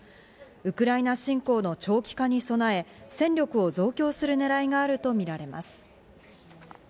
ウクライナ侵攻の長期化に備え、戦力を増強する狙いがあるとみられます。